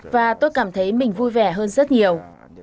và tôi cảm thấy mình vui vẻ hơn rất nhiều